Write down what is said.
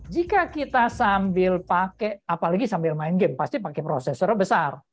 jika kita sambil pakai apalagi sambil main game pasti pakai prosesor besar